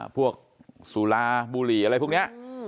พวกสุราบุหรี่อะไรพวกนี้